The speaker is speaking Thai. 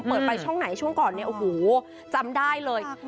เปิดไปช่องไหนช่วงก่อนเนี่ยโอ้โหจำได้เลย